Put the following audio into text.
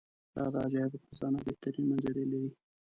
دا د عجایبو خزانه بهترینې منظرې لري.